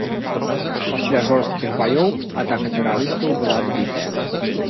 Пасля жорсткіх баёў атака тэрарыстаў была адбітая.